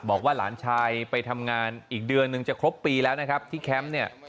บอกว่าหลานชายไปทำงานอีกเดือนหนึ่งจะครบปีแล้วนะครับที่แคมป์เนี่ย